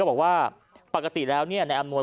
บอกว่าปกติแล้วนายอำนวย